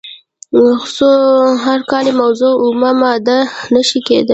خو هره کاري موضوع اومه ماده نشي کیدای.